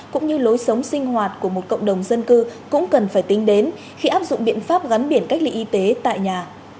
cũng như lối sống sinh hoạt của một cộng đồng dân cư cũng cần phải tính đến khi áp dụng biện pháp gắn biển cách ly y tế tại nhà